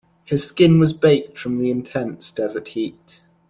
His skin was baked from the intense desert heat.